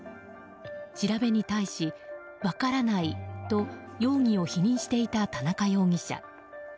調べに対し、分からないと容疑を否認していた田中容疑者。